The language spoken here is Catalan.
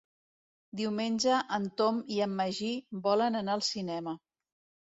Diumenge en Tom i en Magí volen anar al cinema.